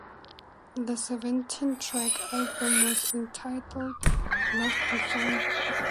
The seventeen-track album was entitled "Lost and Found".